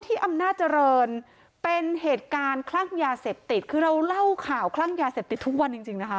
อำนาจริงเป็นเหตุการณ์คลั่งยาเสพติดคือเราเล่าข่าวคลั่งยาเสพติดทุกวันจริงจริงนะคะ